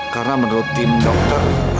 karena menurut tim dokter